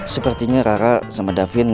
sepertinya rara sama davin